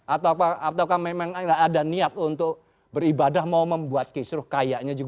atau apakah memang ada niat untuk beribadah mau membuat kisruh kaya itu